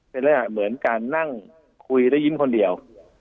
เป็นลักษณะเหมือนการนั่งคุยและยิ้มคนเดียว